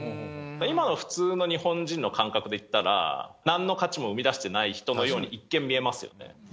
今の普通の日本人の感覚でいったら、なんの価値も生み出してない人のように一見見えますよね。